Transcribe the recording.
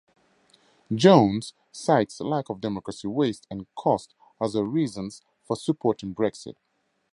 Jones cites lack of democracy, waste and cost as her reasons for supporting Brexit.